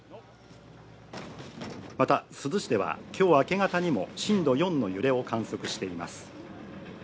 また珠洲市では今日明け方にも震度４の揺れを観測しています。